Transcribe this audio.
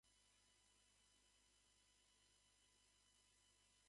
バニラアイス、食べたいよな